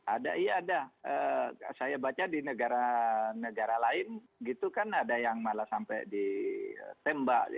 ada iya ada saya baca di negara negara lain gitu kan ada yang malah sampai ditembak